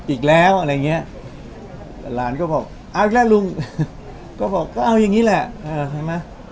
อีกแล้วอะไรอย่างเงี้ยหลานก็บอกเอาอีกแล้วลุงก็บอกก็เอาอย่างนี้แหละเห็นไหม